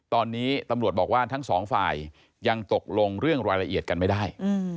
ตอนนี้ตำรวจบอกว่าทั้งสองฝ่ายยังตกลงเรื่องรายละเอียดกันไม่ได้